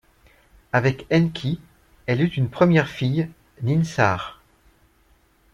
Avec Enki, elle eut une première fille, Ninsar.